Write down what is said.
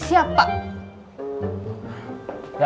gaji kamu telat juga